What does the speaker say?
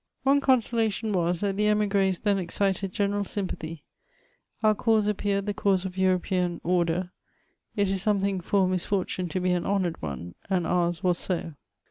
One consolation was, that tne emigres then excited general sympathy ; our cause appeared the cause of European order ; it is something for a misfortune to be an honoured one, and ours was so.